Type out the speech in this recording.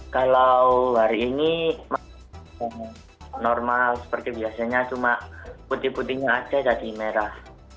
kalau hari ini normal seperti biasanya cuma putih putihnya aja tadi merah